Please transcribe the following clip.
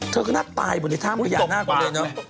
เธอก็น่าตายบนในถ้ำก็อย่างหน้ากว่าเลยเนอะ